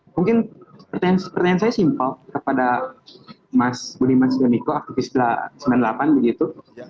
mungkin pertanyaan saya simpel kepada mas budi mas daniko aku sudah sembilan puluh delapan begitu